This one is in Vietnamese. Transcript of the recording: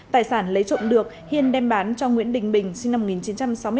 tài sản lấy trộm được hiên đem bán cho nguyễn đình bình sinh năm một nghìn chín trăm sáu mươi tám